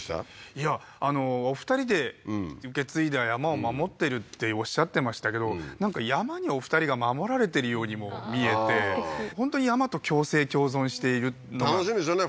いやお二人で受け継いだ山を守ってるっておっしゃってましたけどなんか山にお二人が守られてるようにも見えて本当に山と共生共存しているのが楽しいんでしょうね